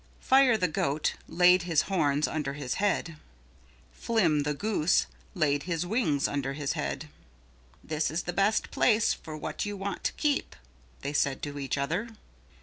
Fire the Goat laid his horns under his head. Flim the Goose laid his wings under his head. "This is the best place for what you want to keep," they said to each other.